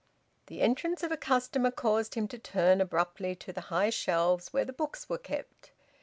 The entrance of a customer caused him to turn abruptly to the high shelves where the books were kept.